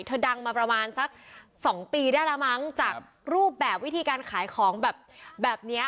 ดังมาประมาณสักสองปีได้แล้วมั้งจากรูปแบบวิธีการขายของแบบเนี้ย